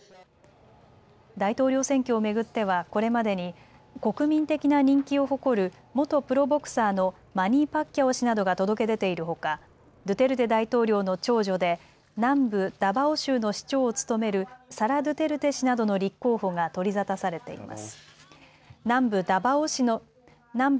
大統領選挙を巡ってはこれまでに国民的な人気を誇る元プロボクサーのマニー・パッキャオ氏などが届け出ているほかドゥテルテ大統領の長女で南部ダバオ市の市長を務めるサラ・ドゥテルテ氏などの立候補が取り沙汰されています。